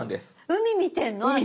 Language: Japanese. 海見てんの私？